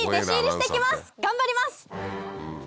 頑張ります！